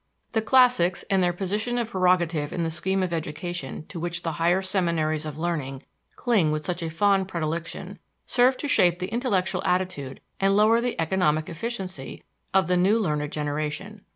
The classics, and their position of prerogative in the scheme of education to which the higher seminaries of learning cling with such a fond predilection, serve to shape the intellectual attitude and lower the economic efficiency of the new learned generation.